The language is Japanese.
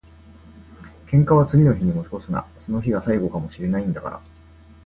喧嘩は次の日に持ち越すな。その日が最後かも知れないんだから。